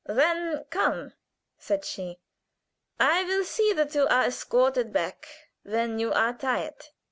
"Then come," said she. "I will see that you are escorted back when you are tired.